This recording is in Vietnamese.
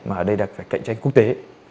mà ở đây là phải cạnh tranh quốc tế